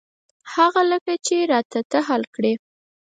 هغه لکه چې را ته ته حل کړې.